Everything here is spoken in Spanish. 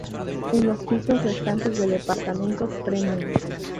En los pisos restantes, de departamentos premium.